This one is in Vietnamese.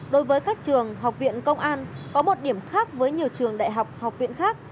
đối với các trường học viện công an có một điểm khác với nhiều trường đại học học viện khác